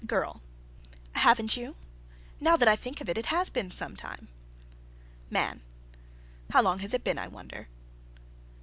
GIRL. "Haven't you? Now that I think of it, it has been some time." MAN. "How long has it been, I wonder?"